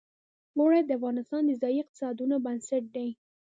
اوړي د افغانستان د ځایي اقتصادونو بنسټ دی.